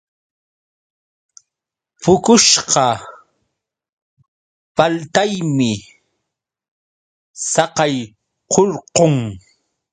Puqushqa paltaymi saqaykurqun.